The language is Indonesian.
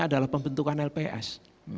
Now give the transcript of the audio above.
adalah pembentukan lps